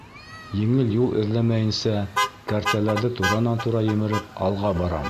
Еңел юл эҙләмәйенсә, кәртәләрҙе туранан-тура емереп, алға барам.